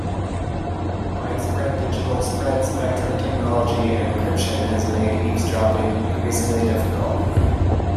Widespread digital spread spectrum technology and encryption has made eavesdropping increasingly difficult.